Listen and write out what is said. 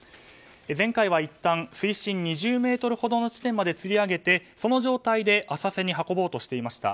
前回はいったん水深２０ｍほどの地点までつり上げて、その状態で浅瀬に運ぼうとしていました。